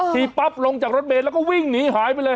ปั๊บลงจากรถเมย์แล้วก็วิ่งหนีหายไปเลย